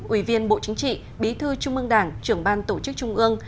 ủy viên bộ chính trị bí thư trung ương đảng trưởng ban tổ chức trung ương